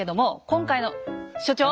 今回の所長？